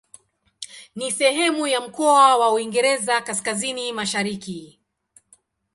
Ni sehemu ya mkoa wa Uingereza Kaskazini-Mashariki.